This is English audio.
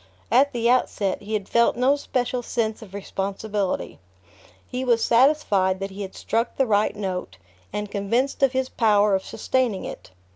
At the outset, he had felt no special sense of responsibility. He was satisfied that he had struck the right note, and convinced of his power of sustaining it.